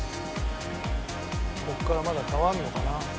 ここからまだ変わるのかな？